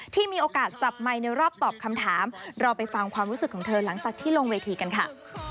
ที่มีโอกาสจับไมค์ในรอบตอบคำถามเราไปฟังความรู้สึกของเธอหลังจากที่ลงเวทีกันค่ะ